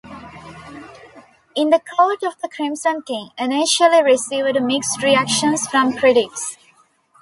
"In the Court of the Crimson King" initially received mixed reactions from critics.